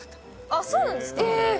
あっ、そうなんですか？